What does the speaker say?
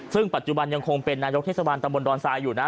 ซึ่งปัจจุบันยังคงเป็นนายกเทศบาลตำบลดอนทรายอยู่นะ